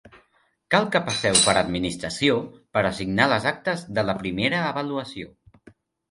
Cal que passeu per administració per a signar les actes de la primera avaluació.